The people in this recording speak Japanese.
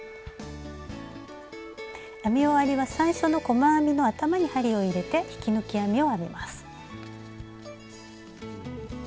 編み終わりは最初の細編みの頭に針を入れて引き抜き編みを編みます。